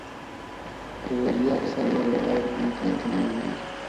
پروژې اکثر د نړیوالې ټولنې لخوا تمویلیږي.